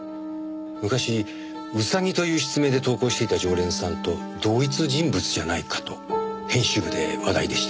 昔「ウサギ」という筆名で投稿していた常連さんと同一人物じゃないかと編集部で話題でして。